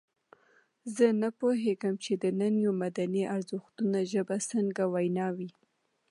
زه نه پوهېږم چې د نننیو مدني ارزښتونو ژبه څنګه وینا وي.